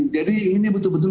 jadi ini betul betul